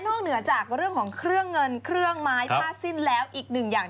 เหนือจากเรื่องของเครื่องเงินเครื่องไม้ผ้าสิ้นแล้วอีกหนึ่งอย่าง